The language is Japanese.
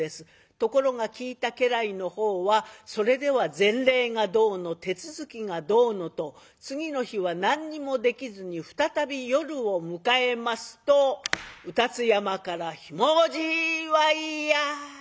ところが聞いた家来のほうはそれでは前例がどうの手続きがどうのと次の日は何にもできずに再び夜を迎えますと卯辰山から「ひもじいわいや！」。